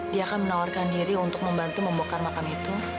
dia akan menawarkan diri untuk membantu membokar makam itu